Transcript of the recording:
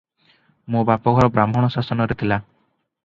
ମୋ ବାପଘର ବ୍ରାହ୍ମଣ ଶାସନରେ ଥିଲା ।